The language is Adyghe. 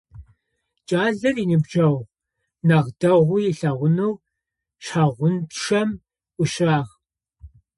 Кӏалэр, иныбджэгъу нахь дэгъоу ылъэгъунэу, шъхьангъупчъэм ӏуищагъ.